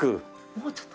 もうちょっと。